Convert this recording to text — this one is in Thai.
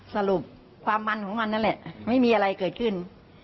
สรุปความมันของมันนั่นแหละไม่มีอะไรเกิดขึ้น